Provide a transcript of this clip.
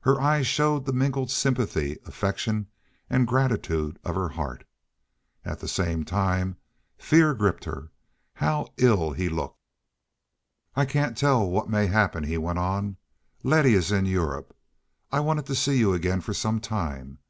Her eyes showed the mingled sympathy, affection, and gratitude of her heart. At the same time fear gripped her; how ill he looked! "I can't tell what may happen," he went on. "Letty is in Europe. I've wanted to see you again for some time.